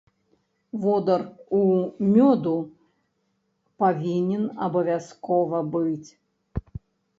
Водар у мёду павінен абавязкова быць.